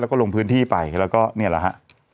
แล้วก็ลงพื้นที่ไปแล้วก็เนี่ยแหละฮะ